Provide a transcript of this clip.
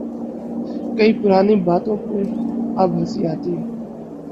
کئی پرانی باتوں پہ اب ہنسی آتی ہے۔